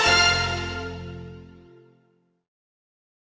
เหมือนเล็บตลอดเวลา